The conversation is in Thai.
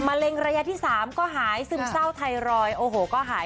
เร็งระยะที่๓ก็หายซึมเศร้าไทรอยด์โอ้โหก็หาย